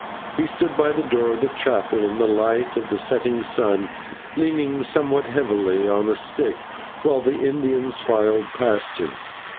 He stood by the door of the chapel, in the light of the setting sun, leaning somewhat heavily on a stick, while the Indians filed past him.